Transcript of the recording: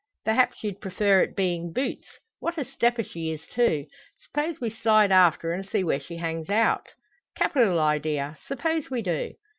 "Perhaps you'd prefer it being boots? What a stepper she is, too! S'pose we slide after, and see where she hangs out?" "Capital idea! Suppose we do?"